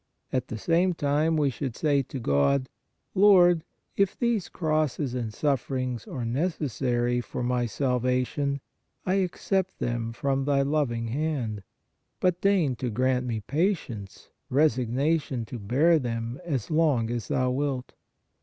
At the same time we should say to God: "Lord, if these crosses and sufferings are necessary for my salva tion, I accept them from Thy loving hand, but deign to grant me patience, resignation to bear them as long as Thou wilt.